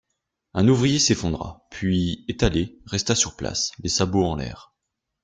Un ouvrier s'effondra, puis, étalé, resta sur place, les sabots en l'air.